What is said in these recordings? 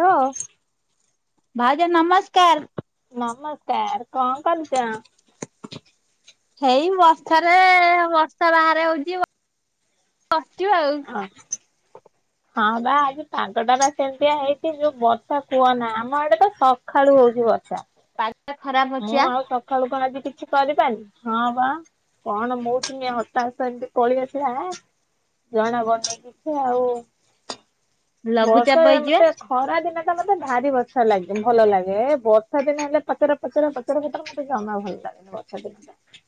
Hello. ଭାଉଜା ନମସ୍କାର। ମାମା ସିଆଡେ ନମସ୍କାର କଣ କରୁଛ?? ହେଇ ବର୍ଷାରେ ବର୍ଷା ବାହାରେ ହଉଛି ବସିିବ ଆଉ ହଁ ହଁ ବା ଆଜି ପାଗଟା ବାା ସେମିତିଆ ହେଇଛି ଯୋଉ ବର୍ଷା କୁହ ନା ଆମ ଏଡେ ତ ସଖାଳୁ ହଉଛିି ବର୍ଷା ପାଗଟା ଖରାପ ଅଛି ମୁଁ ବା ଆଉ ସକାଳୁ କଣ ଆଜି କିଛି କରିିବନି ହଁ ବା କଣ ମୌସମୀ ହତାଶ ଏମିତି ପଳି ଆସିଲା। ଜଣା ବ ନେଇେଇକିଛି ଆଉ ବର୍ଷା ଲଘୁଚାପ ହେଇଛି ବା ମତେ- ଖରା ଦିନେ ତ ମତେ ଭାରି ବର୍ଷା ଲାଗେ ଭଲ ଲାଗେ ବର୍ଷା ଦିନେ ହେଲେ ପଚରା ପଚରା ସେଟା ସତରେ ମତମତେ ଜମା ଭଲ ଲାଗନି ବର୍ଷା ଦିନ ଟା।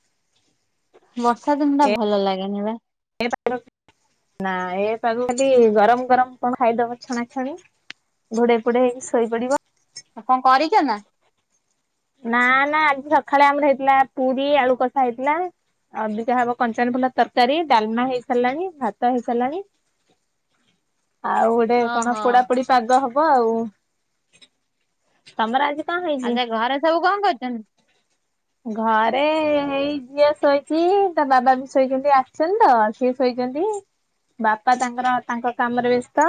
ବର୍ଷା ଦିନ ଟା ଭଲ ଲାଗେନି ବା। ନା ଏପାଗ ଗରମ ଗରମ କଣ ଖାଇଦବ ଛଣାଛଣି ଘୋଡେଇ ପୋଡେଈ ହେଇକି ଶୋଇ ପଡିବ ଆଉ କଣ କରିଛ ନା? ନା ନା ଆଜି ସକାଳେ ଆମର ହେଇଥିଲା ପୁରୀ, ଆଳୁକଷା ହେଇଥିଲା ଅଵିକା ହବ କଞ୍ଚନଫୁଲ ତରକାରୀ ଡାଲମା ହେଇସାଲାଣି ଭାତ ହେଇସାଲାଣି। ଆଉ ଗୋଟେ କଣ ଓହୋ ପୋଡା ପୋଡି ପାଗ ହବ ଆଉ ତମର ଆଜି କଣ ହେଇଛି? ଆଚ୍ଛା ଘରେ ସବୁ କଣ କରୁଚନ୍ତି? ଘରେ ଏଇ ଝିଅ ଶୋଇଚି ତା ବାବା ବି ଶୋଇଚନ୍ତି ଆସଚନ୍ତି ତ। ସିଏ ଶୋଇଚନ୍ତି ବାପା ତାଙ୍କର ତାଙ୍କ କାମରେ ବ୍ୟସ୍ତ।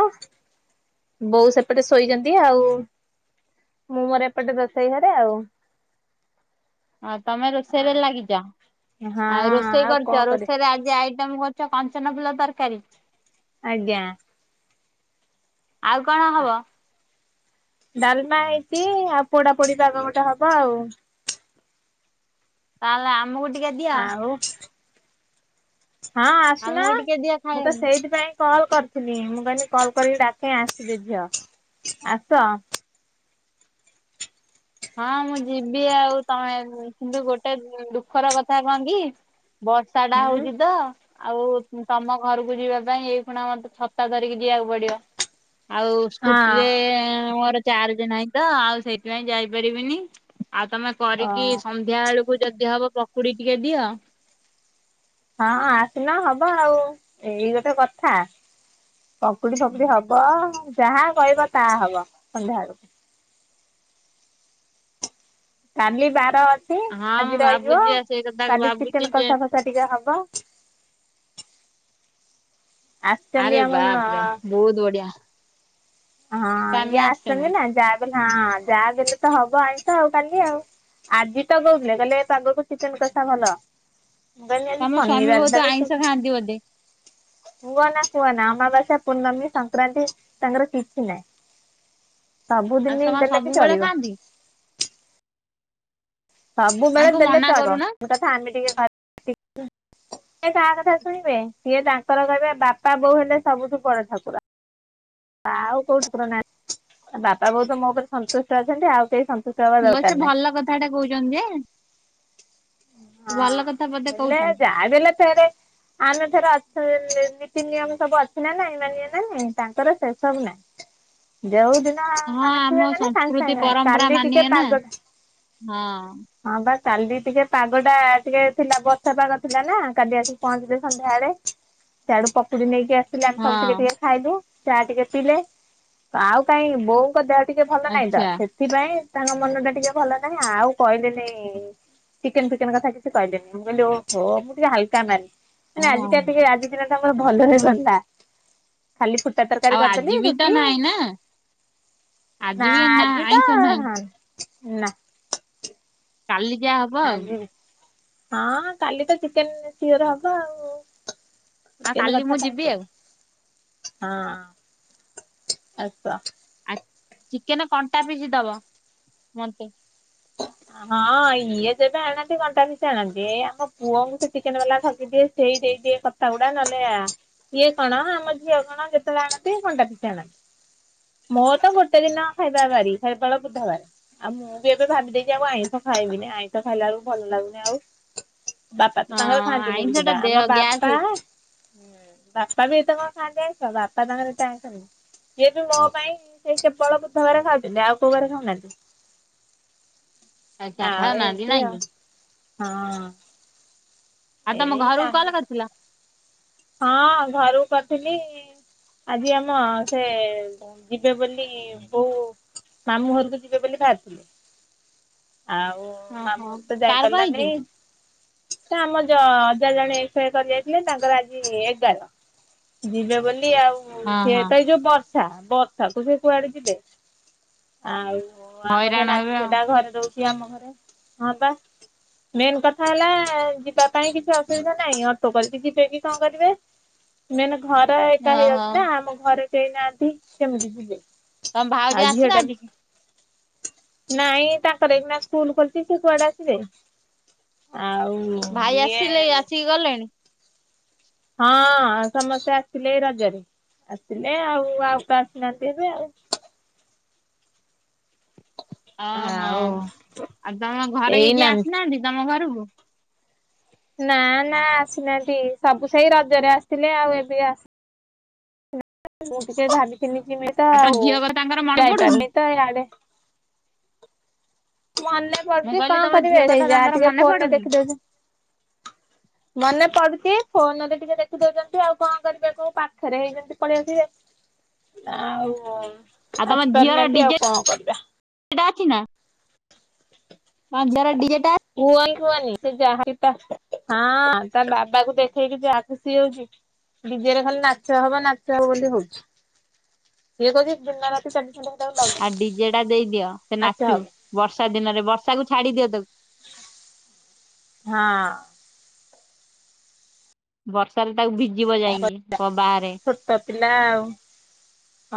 ବୋଉ ସେପଟେ ଶୋଇଚନ୍ତି, ଆଉ ମୁଁ ମୋର ଏପଟେ ରୋଷେଇ ଘରେ ଆଉ। ହଁ ତମେ ରୋଷେଇରେ ଲାଗିଚ, ହଁ ଆଉ ରୋଷେଇ କଣ କରୁଚ, କରେ ରୋଷେଇରେ ଆଜି ଆଇ ତମେ କରୁଚ କଞ୍ଚନ ଫୁଲ ତରକାରୀ? ଆଜ୍ଞା। ଆଉ କଣ ହବ? ଡାଲମା ହେଇଚି ଆଉ ପୋଡା ପୋଡି ପାଗ ଗୋଟେ ହବ ଆଉ। ତାହେଲେ ଆମକୁ ଟିକେ ଦିଅ। ଆଉ ହଁ ଆସୁନ ଆମକୁ ଟିକେ ଦିଅ ମୁଁ ତ ଖାଇବାକୁ। ସେଇଥିପାଇଁ କଲ୍ କରଥିଲି ମୁଁ କଇନି କଲ୍ କରିକି ଡାକେ ଆସିବେ ଝିଅ ଆସ। ହଁ ମୁଁ ଯିବି ଆଉ ତମେ କିନ୍ତୁ ଗୋଟେ ଦୁଃଖର କଥା କଣ କି ବର୍ଷା ଟା ହୁଁ ହୋଉଚି ତ। ଆଉ ତମ ଘରକୁ ଯିବା ପାଇଁ ଏଇ ଫୁଣା ମତେ ଛତା ଧରିକି ଯିବାକୁ ପଡିବ। ଆଉ ହଁ ସ୍କୁଟିରେ ମୋର ଚାର୍ଜ ନାହିଁ ତ ଆଉ ସେଇଥିପାଇଁ ଯାଇପାରିବିନି। ଆଉ ତମେ ଓ କରିକି ସନ୍ଧ୍ୟା ଓଳୁକୁ ଯଦି ହବ ପକୁଡି ଟିକେ ଦିଅ। ହଁ ଆସୁନ ହବ ଆଉ ଏଇ ଗୋଟେ କଥା। ପକୁଡି ଫକୁଡି ହବ ଯାହା କହିବ ତାଆ ହବ ସନ୍ଧ୍ୟା ଓଳୁକୁ। କାଲି ବାର ଅଛି ହଁ ମୁଁ ଆଜି ରହିଯିବ ଭାବୁଛି ଆଉ ସେଇ କଥା କାଲି ଭାବୁଛି ଚିକେନ ଯେ କଷା କସ ଷା ଟିକେ ହବ ଆସଛନ୍ତି ଆରେ ଆମ ବାପରେ ବହୁତ ବଢିଆ। ହଁ ସ୍ଵାମୀ ଇଏ ଆସଚନ୍ତି ଆସିଛନ୍ତି। ନା ଯାହା ବି ହେ ହଁ ଯାହା ବି ହେଲେ ତ ହବ ଆଇଁଷ ଆଉ କାଲି ଆଉ। ଆଜି ତ କଉଥିଲେ କଇଲେ ଏ ପାଗକୁ ଚିକେନ କସା ଭଲ। ମୁଁ କଇଲି ଆଜି ତମ ସ୍ଵାମୀ ବହୁତ ଶନିିବାରଟାରେ ଆଇଁଷ କୁ ଖାଆନ୍ତି ବୋଧେ କୁଅନା କୁଅନା ଅମାବାସ୍ୟା, ପୂର୍ଣମୀ, ସଂକ୍ରାନ୍ତି ତାଙ୍କର କି ଛି ନାଇଁ ଆଇଁଷ ସବୁଦିନ କଣ ଦେଲେ ବି ସବୁବେଳେ ଚଳିବ। ଖାଆନ୍ତି ସବୁବେଳେ ତାଙ୍କୁ ଦେଲେ ମନା ଚଳିବ, କରୁନା। ଗୋଟେ ଥାଆନ୍ତି ଟିକେ କତିପି ସିଏ କାହା କଥା ଶୁଣିବେ ସିଏ ତାଙ୍କର କହିବେ ବାପା ବୋଉ ହେଲେ ସବୁଠୁ ବଡ ଠାକୁର। ଆଉ କୋଉ ଠାକୁର ନାହାଁନ୍ତି ବାପା ବୋଉ ତ ମୋ ଉପରେ ସନ୍ତୁଷ୍ଟ ଅଛନ୍ତି ଆଉ କେହି ସନ ମୁଁ କହିଲି ସେ ଭଲ କଥାଟେ କହୁଚନ୍ତି ଯେ ହଁ ଭଲ କଥା ବୋଧେ ହେଲେ କହୁଛନ୍ତି। ଜହାବି ହେଲେ ସିଆଡେ ଆମେ ଫେରେ ଅଛୁ ଯେବେ ନୀତି ନିୟମ ସବୁ ଅଛି ନା ନାଇଁ ମାନିବା ନା ନାଇଁ ତାଙ୍କର ସେ ସବୁ ନାଇଁ। ଯୋଉଦିନ ହଁ ଆସିବେ ଆମ ମାନେ ସାଙ୍ଗେ ସଂସ୍କୃତି ସାଙ୍ଗେ ପରମ୍ପରା କାଲି ଟିକେ ମାନିବେ ନା ପାଗ ହଁ। ହଁ ବା କାଲି ଟିକେ ପାଗ ଟା ଟିକେ ଥିଲା ବର୍ଷା ପାଗ ଥିଲା ନା କାଲି ଆସିକି ପହଞ୍ଚିଲେ ସନ୍ଧ୍ୟାବେଳେ। ସିଆଡୁ ପକୁଡି ନେଇକି ଆସ ଥିଲେ ଆମେ ସବୁ ଟିକେ ହଁ। ଟିକେ ଖାଇଲୁ, ଚା ଟିକେ ପିଇଲେ ଆଉ କାଇଁ ବୋଉଙ୍କ ଦେହ ଟିକେ ଭଲ ନାହିଁତ, ଆଚ୍ଛା ସେଥିପାଇଁ ତାଙ୍କ ମନ ଟା ଟିକେ ଭଲ ନାହିଁ ଆଉ କଇଲେନି- ଚିକେନ ଫିକେନ କଥା କିଛି କଇଲେନି ମୁଁ କଇଲି ଓହୋ ମୁଁ ଟିକେ ହାଲକା ମାରଲି ହଁ ମାନେ ଆଜିଟା ଟିକେ ଆଜି ଦିନ ଟା ମୋର ଭଲରେ ଗଲା। ଖାଲି ଫୁଟା ତରକାରୀ ଆଉ ଆଜି କରଦେଲି ବି ତ ରୁଟି ନାହିଁ ନା ଆଜି ନା ବି ଆଜି ତ ଆଇଁଷ ନାହିଁ। ହାଁ ନା। କାଲି ଯାଆ ହବ ଆଉ। ଆଜି ହଁ କାଲି ତ ଚିକେନ ସିଓର ହବ ଆଉ। ଆଉ ଏମତି କାଲି କଥା ମୁଁ କାହିଁକି ଯିବି ଆଉ କୋଉଚୁ? ହଁ ଅଳ୍ପ ଆ ଚିକେନ କଣ୍ଟା ପିସ ଦବ ମତେ। ଓହ ହଁ ଇଏ ଯେବେ ଆଣନ୍ତି କଣ୍ଟା ପିସ ଆଣନ୍ତି ଏଇ ଆମ ପୁଅଙ୍କୁ ସିଏ ଚିକେନ ବାଲା ଠକିଦିଏ, ସେଇ ଦେଇଦିଏ କ ତା ଗୁଡା ନନେଲେ ଆ ଇଏ କଣ ଆମ ଝିଅ କଣ ଯେତେବେଳେ ଆଣନ୍ତି କଣ୍ଟା ପିସ ଆଣନ୍ତି। ମୋର ତ ଗୋଟେ ଦିନ ଖାଇବା ପାଳି କେବଳ ବୁଧବାର, ଆଉ ମୁଁ ଏବେ ଭାବିଦେଇଚି ଆଉ ଆଇଁଷ ଖାଇବିନି ଆଇଁଷ ଖାଇଲା ବେଳକୁ ଭଲ ଲାଗୁନି ଆଉ। ବାପା ତ ହଁ ତାଙ୍କର ଖାଆନ୍ତିନି ବି ଆଇଁଷ ଟା ସିଧା, ଆମ ଦେହ ଗ୍ୟାସ୍ ବାପା ହଉଛି। ବାପା ବି ଏତେ କଣ ଖାଆନ୍ତି ଆଇଁଷ ବାପା ତାଙ୍କର ଏତେ ଆଇଁଷ ଇଏ ବି ମୋ ପାଇଁ ସେଇ କେବଳ ବୁଧବାରେ ଖାଉଛନ୍ତି ଆଉ କୋଉ ବାରେ ଖାଉନାହାନ୍ତି ଆଚ୍ଛା ଆଉ ଖାଉନାହାନ୍ତି ଏମତି ନାଇଁ କି ଆଉ, ହଁ ଆଉ ତମ ଏଇ ଘରକୁ ନାନୀ କଲ କରିଥିଲ? ହଁ ଘରକୁ କରିଥିଲି ଆଜି ଆମ ସେ ଯିବେ ବୋଲି ବୋଉ ମାମୁଁ ଘରକୁ ଯିବେ ବୋଲି ଭାବିବଥିଲେ ଆଉ ଓହୋ ମାମୁଁ ଘରତ ଯାଇ କାର କଣ ହେଇଛି ପାରିଲାନି ସେ ଆମ ଯ ଅଜା ଜଣେ ଏସ କରି ଯାଇଥିଲେ ତାଙ୍କର ଆ ଏଗାର ଯିବେ ବୋଲି ଆଉ ହଁ ସେଏ ହଁ ତ ଏ ଯୋଉ ବର ଶା ବର୍ଷାକୁ ସେ କୁଆଡେ ଯିବେ? ଆଉ ଆମର ସେ ହଇରାଣ ନାନୀ ହେବେ ଆଉ ଝିଅଟା ଘରେ ରଉଛି ଆମ ଘରେ, ହଁ ବା। ମେନ୍ କଥା ହେଲା ଯିବା ପାଇଁ କିଛି ଅସୁବିଧା ନାହିଁ ଅଟୋ କରିକି ଯିବେ କି କଣ କରିବେ ମେନ୍ ଘର ଏକା ଓହୋ ହେଇଯାଉଛି ନା ଆମ ଘରେ ସେଇ ନାହାନ୍ତି ସେମିତି ଯିବେ ତମ ଭାଉଜ ଆଉ ଝିଅ ଟା ଆସିନାହାନ୍ତି ବି କି? ନାଇଁ ତାଙ୍କର ଏଇଖିନା ସ୍କୁଲ ଖୋଲିଛି ସେ କୁଆଡେ ଆସିବେ ଆଉ ଭାଇ ଇଏ ଆସିଲେ ଆସିକି ଗଲେଣି ହଁ ସମସ୍ତେ ଆସିଲେ ଏଇ ରଜରେ ଆସିଲେ ଆଉ ଆଉ ତ ଆସିନାହାନ୍ତି ଏବେ ଆଉ ଓହୋ ଆଉ ଆଉ ତମ ଘରେ ଏଇ କିଏ କିଏ ନାନୀ ଆସିନାହାନ୍ତି ତମ ଘରକୁ ନା ନା ଆସିନାହାନ୍ତି ସବୁ ସେଇ ରଜରେ ଆସିଥିଲେ ଆଉ ଏବେ ଆସି ମୁଁ ଟିକେ ଧାନି ଚିନି କିମି ତ ତମ ଆଉ ଝିଅ କଥା ତାଙ୍କର ମନେ ପଡୁନି ଯାଇପାରିନି ତ ଏଇଆଡେ [unintelligible] ମନେ ମୁଁ ପଡୁଛି କହିଲି କଣ ତମ କରିବେ ଝିଅ କଥା ହେଇ ଯା ତାଙ୍କର ଟିକେ ମନେ ଫୋନରେ ପଡୁନି? ଦେଖିଦଉଛି ମନେ ପଡୁଛି ଫୋନ ରେ ଟିକେ ଦେଖିଦଉଛନ୍ତି ଆଉ କଣ କରିବେ କୋଉ ପାଖରେ ହେଇଛନ୍ତି ପଳେଇଆସିବେ ଆଉ ଆସିପାରୁନାହାନ୍ତି ଆଉ କଣ କରିବା ସେଟା ଅଛି ନା ଡିଟା କୁହ ହି କୁହନି ସେ ଯାହା ହଁ ତା ବାବାକୁ ଦେଖେଇକି ଯାହା ଖୁସି ହଉଛି ଫିଜେରେ ଖାଲି ନାଚ ହବ ନାଚ ହବ ବୋଲି ହଉଛି କଛି ଜିନତି [unintelligible] ଆଉ ଡିଜେ ଟା ଦେଇଦିଅ ସେ ନାଚୁ ହବ ବର୍ଷା ଦିନରେ ବର୍ଷାକୁ ଛାଡି ଦିଅ ତକୁ [inaudible] ହଁ। ବର୍ଷାରେ ତାକୁ ଭିଜିବ ଯାଇକି ବାହାରେ ତ ପିଲା ଆଉ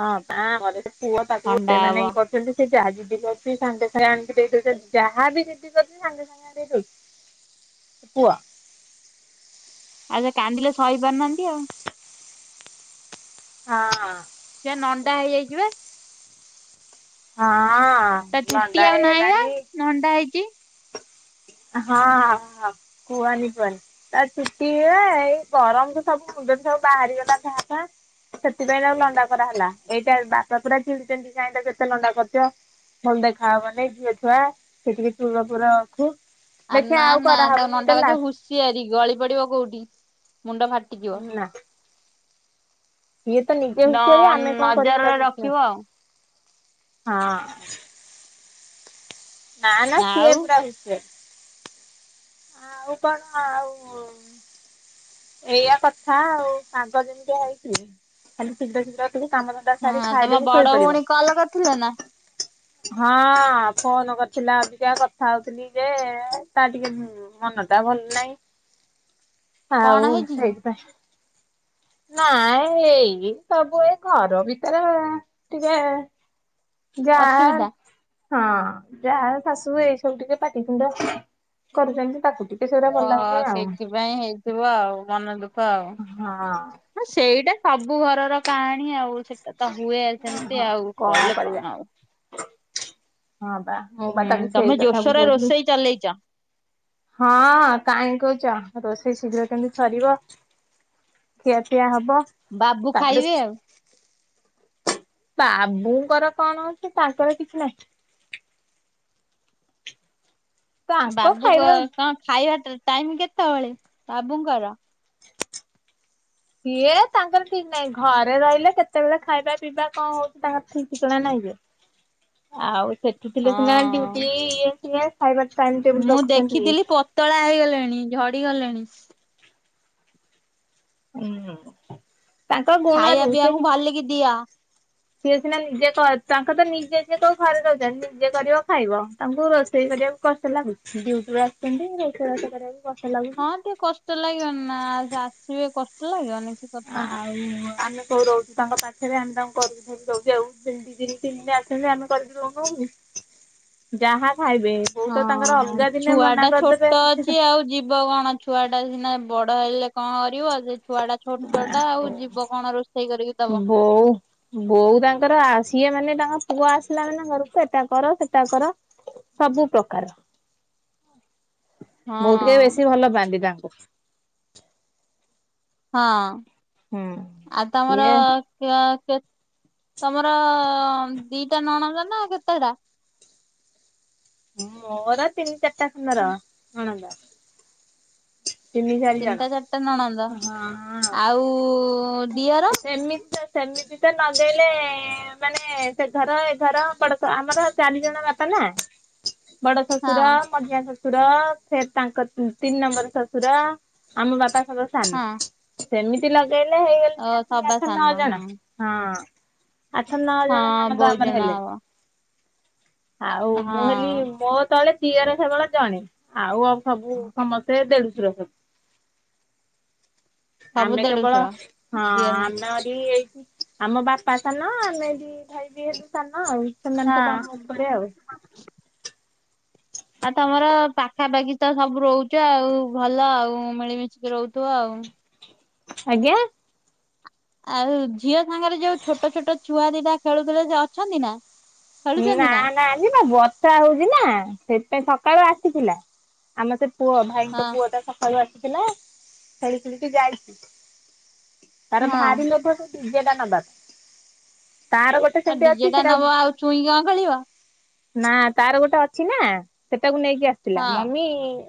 ହଁ ତା ଘରେ ସେ ପୁଅ ତାକୁ ଥଣ୍ଡା ଗୋଟେ ହବ। ମାନେ କିନ୍ତୁ ସେ ଯାହା ଯିଦି କରୁଛି ସାଙ୍ଗେ ସାଙ୍ଗ ଆଣିକି ଦେଇଦଉ ଯାହା ବି ଯିଛି ସାଙ୍ଗେ ସାଙ୍ଗ [unintelligible] ଆଉ ସେ କାନ୍ଦିଲେ ସହି ପାରୁନାହାନ୍ତି ଆଉ ହଁ। ସେ ନଣ୍ଡା ହେଇଯାଇଥିବେ ହଁ। ତା ଚୁଟି ଲଣ୍ଡା ଆଉ ନାହିଁ ବା ହେଇଗଲାଣି ନଣ୍ଡା ହେଇଛି ହଁ କୁହନି କୁହନି ତା ଚୁଟି ଏଇ ଗରମ ତୁ ସବୁ ମୁଣ୍ଡରେ ସବୁ ବାହାରିଗଲା ଯା ଖ ସେଥିପାଇଁ ତାଉ ଲଣ୍ଡା କରା ହେଲା ଏଇଟା ବାପା ପୁରା ଚିଡିଚଣ୍ଡି କାଇଁ ତ କେତେ ଲଣ୍ଡା କରିଥିବ ଭଲ ଦେଖା ହବନି ଝିଅ ଛୁଆ ସେଠିକେ ଚୁଲ ପୁର ଅଛୁ ଦେଖିବା ଆଉ କରାହବନି ଏ ଲାଷ୍ଟ ସିଆରି ଗଳି ପଡିବ କୋଉଠି ମୁଣ୍ଡ ଫାଟଯିବ ଲାଷ୍ଟ ନା ସିଏ ତ ନିଜେ ହୁସିଆରି ଆମେ କଣ କରିବୁ ନଜରରେ ତାକୁ ହଁ। ରଖିବ ଆଉ। ନା ନା ସିଏ ଆଉ ପୁରା ହୁସିଆରି। ଆଉ କଣ ମ ଆଉ ଏଇଆ କଥା ଆଉ ପାଗ ଯେମିତି ହେଇଛି ଖାଲି ଶୀଘ୍ର ଶୀଘ୍ର ଟିକେ କାମ ଧନ୍ଦା ସାରି ଖାଇଦେଇକି ଶୋଇପଡ଼ିବ। ଭଲ କରିଥିଲେ ନା। ହଁ, ଫୋନ କରିଥିଲା ଅବିକା କଥା ହଉଥିଲି ଯେ ତା ଟିକେ ମନ ଟା ଭଲ ନାହିଁ କଣ ଆଉ ହେଇଛି କି ସେଇଥିପାଇଁ ନାଇଁ ଏଇ ସବୁ ଏ ଘର ଭିତରେ ଟିକେ ଯା ଅସୁବିଧା? ହଁ ଯାହା ଶାଶୁ ଏଇ ସବୁ ଟିକେ ପାଟି ତୁଣ୍ଡ କରୁଛନ୍ତି ତାକୁ ଟିକେ ସେଗୁରା ଭଲ ଓହୋ ଲାଗୁନି ଆଉ। ସେଇଥିପାଇଁ ହେଇଥିବ ଆଉ ମନ ଦୁଃଖ ଆଉ ହଁ ହଁ ସେଇଟା ସବୁ ଘରର କାହାଣୀ ଆଉ। ସେଟା ତ ହୁଏ ସେମିତି ହଁ ଆଉ କହିଲେ କରିବା କଣ ଆଉ। ହଁ ବା ମୁଁ ବା ତାକୁ ସେଇ କଥା ବୁଝଉଥିଲି। ଚଲେଇଚ। ହଁ କାହିଁ କହୁଚ ରୋଷେଇ ଶୀଘ୍ର କେମିତି ସରିବ। ଖିଆପିଆ ହବ। ବାବୁ ତାପରେ ଖାଇବେ ଆଉ। ବାବୁଙ୍କର କଣ ଅଉଛି ତାଙ୍କର କିଛି ନାହିଁ। ତାଙ୍କ ବାବୁଙ୍କ ଖାଇବା କଣ ଖାଇବା ଟାଇମ କେତେବେଳ ବାବୁଙ୍କର? ସିଏ ତାଙ୍କର ଠିକ୍ ନାହିଁ ଘରେ ରହିଲେ କେତେବେଳେ ଖାଇବା ପିଇବା କଣ ହଉଛି ତାଙ୍କର ଠିକ କିିକଣା ନାହିଁ ଯେ। ଆଉ ସେଠି ଥିଲେ ସିନା ଡୁଟି ହଁ। ଇଏ ସିଏ। ଖାଇବା ଟାଇମ୍ ଟେବୁଲ ମୁଁ ରଖୁଛନ୍ତି ଦେଖିଥିଲି ଇଏ। ପତଳା ହେଇଗଲେଣି ଝଡିଗଲେଣି। ହୁଁ ତାଙ୍କର ଖାଇବା ଗୁଣରୁ ପିଇବାକୁ ସେଠି ଭଲିକି ଦିଅ। ସିଏ ସିନା ନିଜେ ତାଙ୍କ ତ ନିଜେ ସି କୋଉ ଘରେ ରହୁଛନ୍ତି ନିଜେ କରିବ ଖାଇବ ତାଙ୍କୁ ରୋଷେଇ କରିବା। କଷ୍ଟ ଲାଗୁଛି ଡିଉଟି ବଳେ ଆସିଛନ୍ତି କରକୁ [unintelligible] ହଁ ଟିକେ କଷ୍ଟ ଲାଗିବନି ନାଁ ଆସିବେ କଷ୍ଟ ଲାଗିବନି। କି କଥା। ହାଁ। ହ ଆମେ କୋଉ ରହୁଛୁ ତାଙ୍କ ପାଖରେ ଆମେ ତାଙ୍କୁ କରିବି ରହୁ ଆଉ ଦି ଦିନି ତିନ ଦିନ ତମୁ ଆମେ କରିଦିବୁ କ କହୁ ଯାହା ଖାଇବେ। ବୋଉ ତ ତାଙ୍କର ହଁ ଅଲଗା ଦିନେ ଛୁଆ ମନା ଟା କରିଦେବେ ଛୋଟ କିଛି ଅଛି ଆଉ ଯିବ କଣ। ଛୁଆ ଟା ସିନା ବଡ ହେଇଲେ କଣ କରିବ ସେ ଛୁଆଟା ଛୋଟ ଟା ଆଉ ଯିବ କଣ ରୋଷେଇ କରିକି ଦବ। ବୋଉ ବୋଉ ତାଙ୍କର ସିଏ ମାନେ ତାଙ୍କ ପୁଅ ଆସିଲା ମାନେ ଘରକୁ ଏଟା କର ସେଟା କର। ସବୁ ପ୍ରକାର। ବୋଉ ଟିକେ ହଁ ବେଶୀ ଭଲ ପାଆନ୍ତି ତାଙ୍କୁ। ହଁ ହୁଁ ଆଉ ତମର ସିଏ ତମର ଦିଟା ନଣନ୍ଦ ନାଁ କେତେଟା? ମୋର ତିନି ଚାରିଟା ସୁନ୍ଦର ନଣନ୍ଦ। ତିନି ଚାରି ଜଣ ତିନିଟା ଚାରିଟା ନଣନ୍ଦ ଆଉ ହଁ ଦିଅର ସେମିତି ସେମିତି ତ ନଦେଇଲେ ମାନେ ସେ ଘର ଏ ଘର ବଡଶ ଆମର ଚାରି ଜଣ ବାପା ନାଁ ବଡ ହଁ ଶ୍ୱଶୁର ମଝିଆଁ ଶ୍ୱଶୁର ଫ ତାଙ୍କ ତିନି ନମ୍ବର ଶଶୁର ତୁରା ଆମ ବାପା ସମ ସାନ। ହଁ ସେମିତି ଲଗେଇଲେ ଓ ହେଇଗଲେଣି ଆସ ସବା ଆଠ ସାନ ନଅ ଜଣ ହଁ ହଁ। ଆଠ ନଅ ଜଣ ହଁ ନଣନ୍ଦ ବୋଉ ଆମର ଜଣ ହେଲେ। ହବ। ଆଉ ମୁଁ ହେଲି ହଁ ମୋ ତଳେ ଦିଅର ସେବଳ ଜଣେ ଆଉ ସବୁ ସମସ୍ତେ ଦେଢଶୁର ସବୁ। ସବୁ ଆମେ କେବଳ ଦେଢଶୁର ହଁ ଦିଅର ଆମେରି ଏଇଠି ଳ ଆମ ବାପା ସାନ ଆମେ ଦି ଭାଇ ବି ହେଲୁ ସାନ ଆଉ ସେମାନେ ହଁ ସବୁ ଆମ ଉପରେ ଆଉ। ଆଉ ତମର ପାଖାପାଖି ତ ସବୁ ରହୁଚ ଆଉ ଭଲ ଆଉ ମିଳିମିଶିକି ରହୁଥିବ ଆଉ। ଆଜ୍ଞା। ଆଉ ଝିଅ ସାଙ୍ଗରେ ଯୋଉ ଛୋଟ ଛୋଟ ଛୁଆ ଦିଟା ଖେଳୁଥିଲେ ସେ ଅଛନ୍ତି ନାଁ? ନାଁ ନାଁ ଆଜିପା ବ ବର୍ଷା ହଉଚି ନାଁ ସେଥିପାଇଁ ସକାଳୁ ଆସିଥିଲା ଆମ ସେ ପୁଅ ଭାଇଙ୍କ ହଁ ପୁଅଟା ସଖାଳୁ ଆସିଥିଲା ଖେଳି ଖେଳିକି ଯାଇଛି, ତାର ହଁ ଭାରି ଲୋଭ ପିଜାଟା ନବାକୁ ତାର ଗୋଟେ ସେମତି ଅଛି ସେଟା ଚୁଇଁ କଁ ଖେଳିବ? ନା ତାର ଗୋଟେ ଅଛି ନା ସେଟାକୁ ନେଇକି ଆସିଥିଲା, ହଁ। ମମି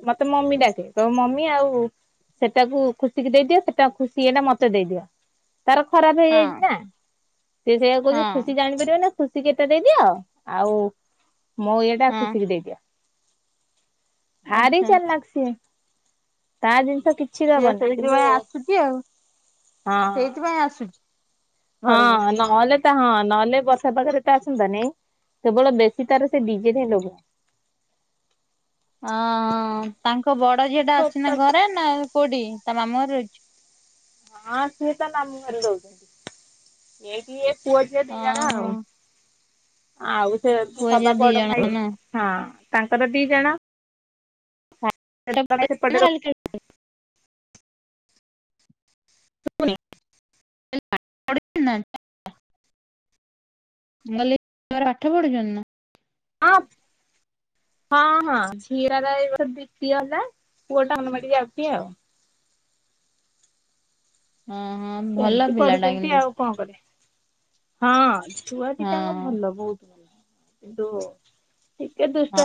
ମତେ ମମି ଡାକେ। ତ ମମି ଆଉ ସେଟାକୁ ଖୁସିିକି ଦେଇଦିଅ, ସେଟା ଖୁସି ଇଏଟା ମତେ ଦେଇଦିଅ। ତାର ଖରାପ ହେଇଯାଇଛି ହଁ ନା, ସେ ସେଇଆ କହୁଛି ହଁ ଖୁସି ଜାଣିପାରିବନି ଖୁସିକୁ ଏଟା ଦେଇଦିଅ ଆଉ ମୋ ଇଏଟା ହଁ ଖୁସିିକି ଦେଇଦିଅ। ଭାରି ଆଚ୍ଛା ଚାଲାଖ ସିଏ ତା ଜିନିଷ କିଛି ଛି ସିଏ ଦବନି କିନ୍ତୁ ସେଇଥିପାଇଁ ଆସୁଛି ଆଉ ହଁ। ସେଇଥିପାଇଁ ଆସୁଛି। ହଁ ଘରକୁ। ନହଲେ ହଁ ନହେଲେ ବର୍ଷା ପାଗରେ ତ ଆସନ୍ତାନି, କେବଳ ବେଶୀ ତାର ସେ ଡିଜେ ଠାହିଁ ଲୋଭ। ଅ ତାଙ୍କ ବଡ ଝିଅଟା ହଁ ଅଛି ନା ଘରେ ନା କୋଉଠି ତା ମାମୁଁ ଘରେ ଅଛି? ହଁ ସିଏ ତା ଘରେ ରହୁଛନ୍ତି, ଏଇଠି ଇଏ ପୁଅ ଝିଅ ଦି ଜଣ ଓହୋ। ଆଉ। ଆଉ ସେ ପୁଅ ଝିଅ ସବା ଦି ବଡ ଜଣ ଭାଇ ନା ହଁ ତାଙ୍କର ଦି ଜଣ। ସେପଟେ [inaudible] ସୁବୁନି। [inaudible] ମୁଁ କହିଲି [inaudible] ପଢୁଛନ୍ତି ନା? ଅଫ। ହଁ ହଁ ଝିଅରଟ ଏଇ ଦ୍ୱିତୀୟ ହେଲା ପୁଅ ଟା ଅଙ୍ଗନବାଡି ଯାଉଛି ଆଉ। ହଁ ହଁ ଭଲ ଏମିତି ପିଲାଟା ପଢୁଛନ୍ତି କିନ୍ତୁ। ଆଉ କଣ କରିବା ହଁ ଛୁଆ ହଁ। ଦିଟାଙ୍କ ଭଲ ବହୁତ ଭଲ। କିନ୍ତୁ ଟିକେ ଦୁଷ୍ଟ।